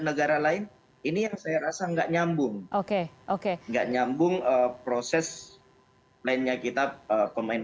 negara lain ini yang saya rasa enggak nyambung oke oke enggak nyambung proses lainnya kita pemain